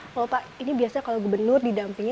kalau pak ini biasanya kalau gubernur didampingi